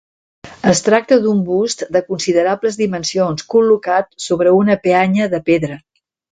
Es tracta d'un bust de considerables dimensions, col·locat sobre una peanya de pedra.